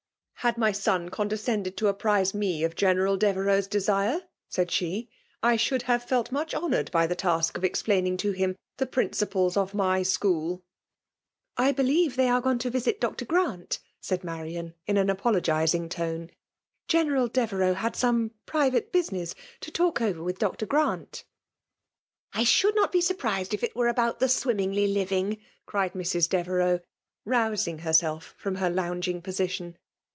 >'' Had my son condescended to a]^ri8e me of General Devereux's desire/* said she, " I should have felt much honoured by the task of explaining to him the principles of ny sobool.' .I believe they are gone to visit Dr. Gzaat*'*' ssod Marian, in an apologising tone. '^ Gr«iie« ral Dovereux has some private business to talk orer with Dr. Grant.*' " I should not be surprised if it were about the Swimmingley living!" cried Mrs. Dteve renipCs rousing herself from her lounging position.